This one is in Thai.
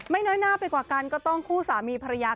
น้อยหน้าไปกว่ากันก็ต้องคู่สามีภรรยา